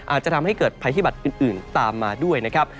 อาจจะทำให้เกิดภัยพิบัตรอื่นตามมาด้วยนะครับ